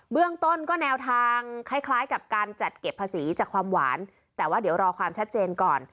เรื่องต้นก็แนวทางคล้ายกับการจัดเก็บภาษีจากความหวานแต่ว่าเดี๋ยวรอความชัดเจนก่อน